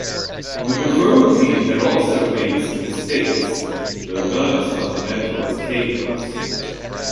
The McCrone team had also made mistakes, though none as fundamental as Cahill's.